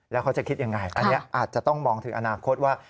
แล้วเขาจะคิดยังไงอันนี้อาจจะต้องมองถึงอนาคตว่า